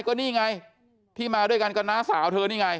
ก็นี่ไงที่มาด้วยกันกับน้าสาวเธอนี่ไง